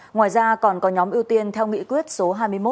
ngoài ra còn có nhóm ưu tiên theo nghị quyết số hai mươi một